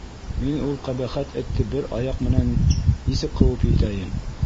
Мин ул ҡәбәхәт этте бер аяҡ менән нисек ҡыуып етәйем?